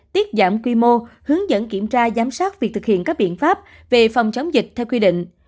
tiết giảm quy mô hướng dẫn kiểm tra giám sát việc thực hiện các biện pháp về phòng chống dịch theo quy định